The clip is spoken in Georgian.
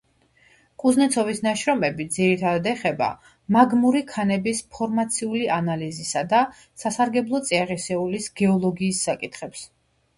კუზნეცოვის შრომები ძირითადად ეხება მაგმური ქანების ფორმაციული ანალიზისა და სასარგებლო წიაღისეულის გეოლოგიის საკითხებს.